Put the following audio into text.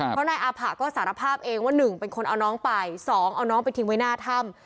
เพราะนายอาผะก็สารภาพเองว่า๑เป็นคนเอาน้องไป๒เอาน้องไปทิ้งไว้หน้าถ้ำ